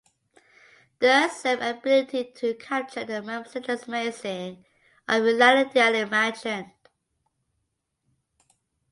The same ability to capture the magnificent and amazing of reality and imagined.